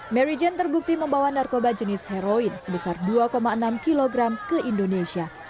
mary jane terbukti membawa narkoba jenis heroin sebesar dua enam kg ke indonesia